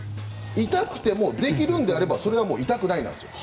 痛くてもできるのであればそれが痛くないなんです。